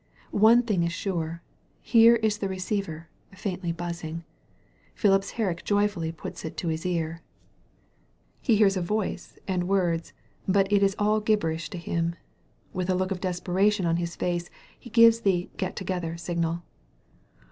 One thing is sure — ^here is the receiver, faintly buzzing. Phipps Herrick joyfully puts it to his ear. He hears a voice 156 THE VALLEY OF VISION and words, but it is all gibberish to him. With a look of desperation on his face he gives the get together" signal.